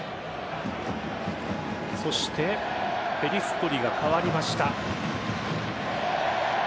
そしてペリストリが代わりました。